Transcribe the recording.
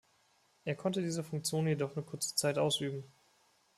Er konnte diese Funktion jedoch nur kurze Zeit ausüben.